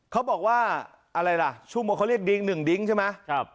เขาบอกว่าอะไรล่ะชั่วโมงเขาเรียกดิ้ง๑ดิ้งใช่ไหม